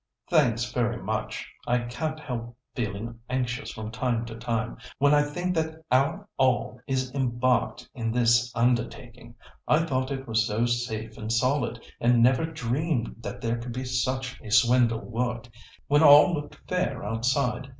"Thanks very much. I can't help feeling anxious from time to time when I think that our all is embarked in this undertaking. I thought it was so safe and solid, and never dreamed that there could be such a swindle worked when all looked fair outside.